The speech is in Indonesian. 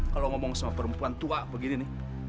kalau ngomong sama perempuan tua begini nih